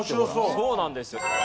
そうなんです。